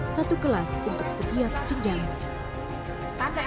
satu kelas untuk setiap jenjang